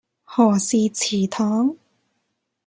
何氏祠堂